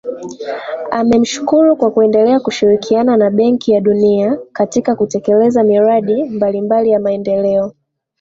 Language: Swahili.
Amemshukuru kwa kuendelea kushirikiana na Benki ya Dunia katika kutekeleza miradi mbalimbali ya maendeleo